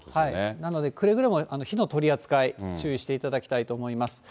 なので、くれぐれも火の取り扱い、注意していただきたいと思います。